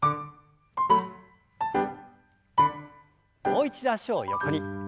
もう一度脚を横に。